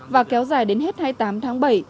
và kéo dài đến hết hai mươi tám tháng bảy